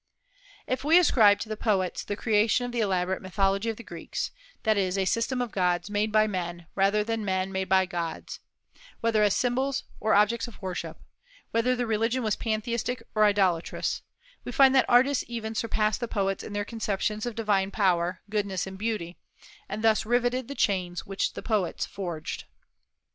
If we ascribe to the poets the creation of the elaborate mythology of the Greeks, that is, a system of gods made by men, rather than men made by gods, whether as symbols or objects of worship, whether the religion was pantheistic or idolatrous, we find that artists even surpassed the poets in their conceptions of divine power, goodness, and beauty, and thus riveted the chains which the poets forged.